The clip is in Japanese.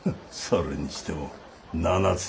それにしても７つとは。